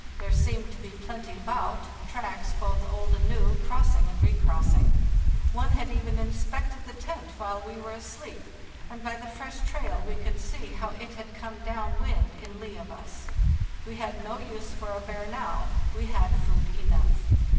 There seemed to be plenty about, tracks, both old and new, crossing and recrossing; one had even inspected the tent while we were asleep, and by the fresh trail we could see how it had come down wind in lee of us. We had no use for a bear now; we had food enough.